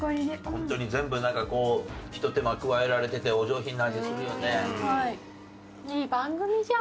ホントに全部なんかこうひと手間加えられててお上品な味するよね。